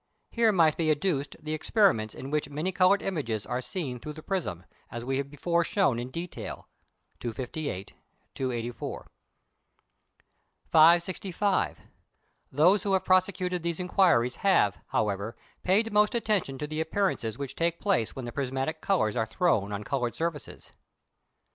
Here might be adduced the experiments in which many coloured images are seen through the prism, as we have before shown in detail (258, 284). 565. Those who have prosecuted these inquiries have, however, paid most attention to the appearances which take place when the prismatic colours are thrown on coloured surfaces.